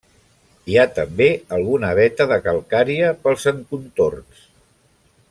Hi ha també alguna veta de calcària pels encontorns.